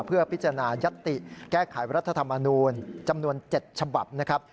เพื่อพิจารณายัตติแก้ไขรัฐธรรมนูลจำนวน๗ฉบับนะครับ